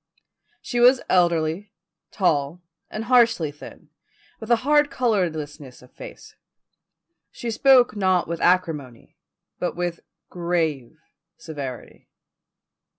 She was elderly, tall, and harshly thin, with a hard colourlessness of face. She spoke not with acrimony, but with grave severity.